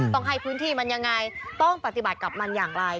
ต้องให้พื้นที่มันยังไงต้องปฏิบัติกับมันอย่างไร